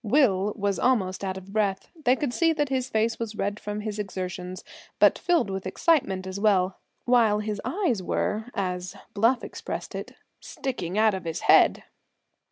Will was almost out of breath. They could see that his face was red from his exertions, but filled with excitement as well; while his eyes were, as Bluff expressed it, "sticking out of his head!"